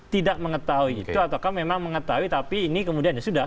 tidak mengetahui itu atau memang mengetahui tapi ini kemudian ya sudah